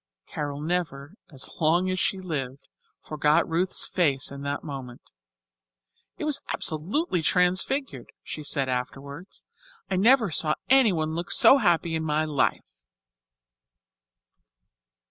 Carol never, as long as she lived, forgot Ruth's face at that moment. "It was absolutely transfigured," she said afterwards. "I never saw anyone look so happy in my life."